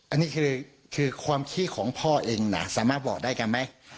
อันนี้คือความขี้ของพ่อเองนะสามารถบอกได้กันไหม